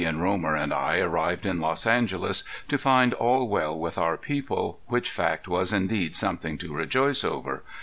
and Romer and I arrived in Los Angeles to find all well with our people, which fact was indeed something to rejoice over.